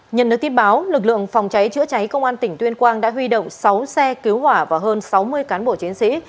nhận được tin báo lực lượng phòng cháy chữa cháy công an tỉnh tuyên quang đã huy động sáu xe cứu hỏa và hơn sáu mươi cán bộ chiến sĩ